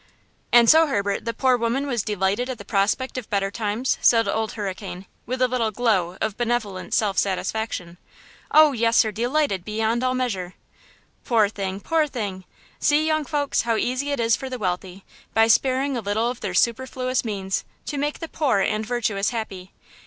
"And so, Herbert, the poor woman was delighted at the prospect of better times?" said Old Hurricane, with a little glow of benevolent self satisfaction. "Oh, yes, sir; delighted beyond all measure!" "Poor thing! poor thing! See, young folks, how easy it is for the wealthy, by sparing a little of their superfluous means, to make the poor and virtuous happy!